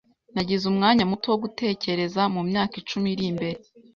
Nagize umwanya muto wo gutekereza mumyaka icumi iri imbere.